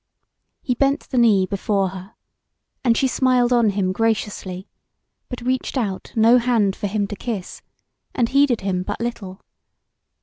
He bent the knee before her, and she smiled on him graciously, but reached out no hand for him to kiss, and heeded him but little.